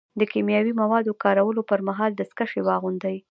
د کیمیاوي موادو کارولو پر مهال دستکشې واغوندئ.